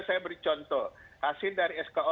saya beri contoh hasil dari sko